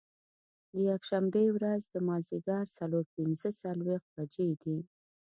د یکشنبې ورځ د مازدیګر څلور پنځه څلوېښت بجې دي.